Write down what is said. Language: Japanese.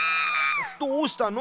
どうしたの？